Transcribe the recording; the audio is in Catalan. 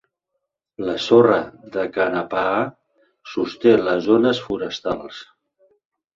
La sorra de Kanapaha sosté les zones forestals.